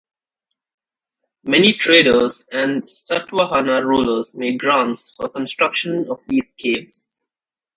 Many traders and Satvahana rulers made grants for construction of these caves.